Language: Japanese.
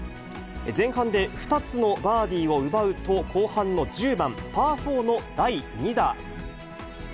前半で２つのバーディーを奪うと、後半の１０番パー４の第２打。